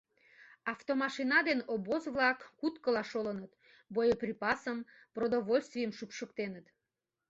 Автомашина ден обоз-влак куткыла шолыныт, боеприпасым, продовольствийым шупшыктеныт.